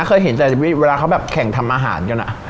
เคยเห็นแต่เวลาเขาแบบแข่งทำอาหารกัน